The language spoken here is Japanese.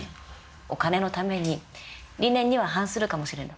お金のために理念には反するかもしれない。